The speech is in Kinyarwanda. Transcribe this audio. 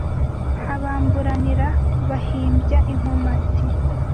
Abamburanira bahimbya inkomati